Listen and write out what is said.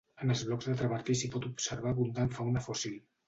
En els blocs de travertí s'hi pot observar abundant fauna fòssil.